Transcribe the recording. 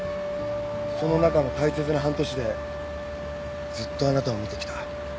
その中の大切な半年でずっとあなたを見てきた。